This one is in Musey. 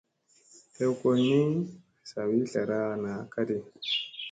Tew koyni ni, sawi zlara naa ka ɗi.